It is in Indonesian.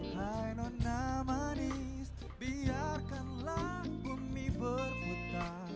benon namani biarkanlah bumi berputar